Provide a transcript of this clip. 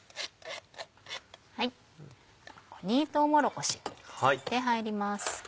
ここにとうもろこし入ります。